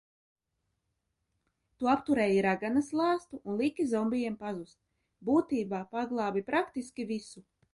Tu apturēji raganas lāstu, un liki zombijiem pazust, būtībā paglābi praktiski visu!